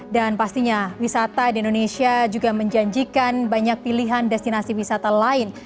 dan pastinya wisata di indonesia juga menjanjikan banyak pilihan destinasi wisata lain